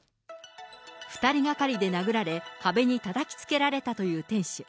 ２人がかりで殴られ、壁にたたきつけられたという店主。